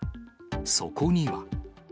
そこには。